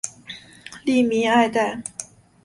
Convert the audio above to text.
吏民爱戴。